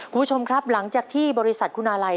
คุณผู้ชมครับหลังจากที่บริษัทคุณาลัย